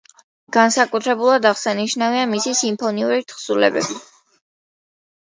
განსაკუთრებულად აღსანიშნავია მისი სიმფონიური თხზულებები.